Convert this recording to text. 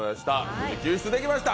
無事救出できました。